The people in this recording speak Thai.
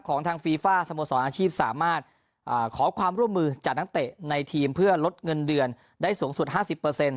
ทางฟีฟ่าสโมสรอาชีพสามารถขอความร่วมมือจากนักเตะในทีมเพื่อลดเงินเดือนได้สูงสุด๕๐